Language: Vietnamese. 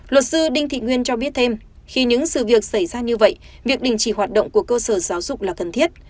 luật sư đinh thị nguyên cho biết thêm khi những sự việc xảy ra như vậy việc đình chỉ hoạt động của cơ sở giáo dục là cần thiết